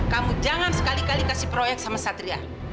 kamu jangan sekali kali kasih proyek sama satria